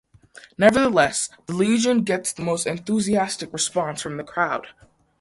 Nevertheless, the Legion gets the most enthusiastic response from the crowd.